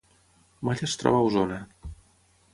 Malla es troba a Osona